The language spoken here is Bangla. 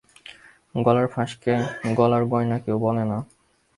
গলার ফাঁসকে গলার গয়না কেউ বলে না।